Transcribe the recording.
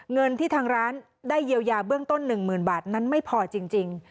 เงินที่ทางร้านได้เยียวยาเบื้องต้น๑๐๐๐บาทนั้นไม่พอจริง